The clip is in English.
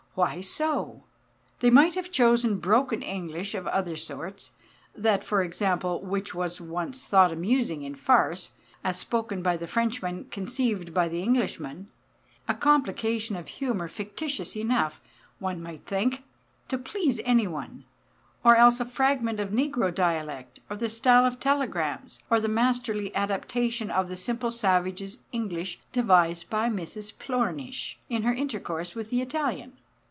Why so? They might have chosen broken English of other sorts that, for example, which was once thought amusing in farce, as spoken by the Frenchman conceived by the Englishman a complication of humour fictitious enough, one might think, to please anyone; or else a fragment of negro dialect; or the style of telegrams; or the masterly adaptation of the simple savage's English devised by Mrs Plornish in her intercourse with the Italian.